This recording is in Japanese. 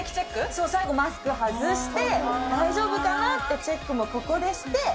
そう、最後、マスクを外して、大丈夫かなってチェックもここでして。